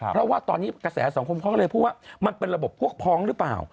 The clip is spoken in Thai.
เพราะว่าตอนนี้กระแสสังคมเขาก็เลยพูดว่ามันเป็นระบบพวกพ้องหรือเปล่า